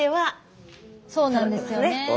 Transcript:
そうなんですよね。